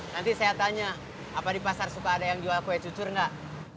nanti saya tanya apa di pasar suka ada yang jual kue cucur nggak